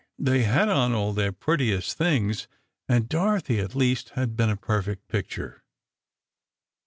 They had on all their prettiest things, and Dorothy at least had been a perfect picture.